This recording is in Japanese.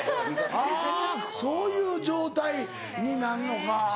はぁそういう状態になんのか。